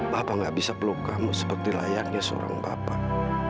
bapak gak bisa peluk kamu seperti layaknya seorang bapak